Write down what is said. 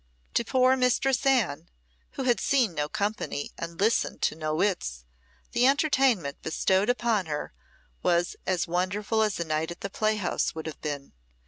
To poor Mistress Anne, who had seen no company and listened to no wits, the entertainment bestowed upon her was as wonderful as a night at the playhouse would have been.